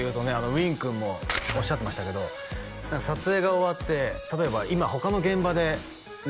ウィン君もおっしゃってましたけど撮影が終わって例えば今他の現場でね